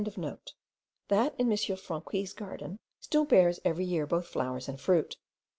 That in M. Franqui's garden still bears every year both flowers and fruit.